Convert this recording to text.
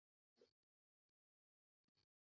Page had relatives.